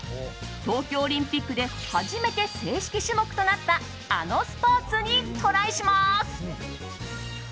東京オリンピックで初めて正式種目となったあのスポーツにトライします。